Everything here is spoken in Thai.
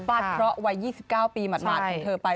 เคราะห์วัย๒๙ปีหมาดของเธอไป